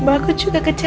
aku juga kecewa